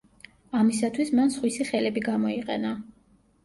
ამისათვის მან „სხვისი ხელები გამოიყენა“.